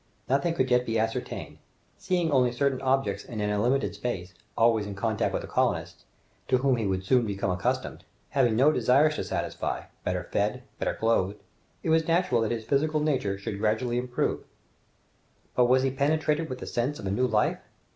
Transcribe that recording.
Nothing could yet be ascertained. Seeing only certain objects and in a limited space, always in contact with the colonists, to whom he would soon become accustomed, having no desires to satisfy, better fed, better clothed, it was natural that his physical nature should gradually improve; but was he penetrated with the sense of a new life?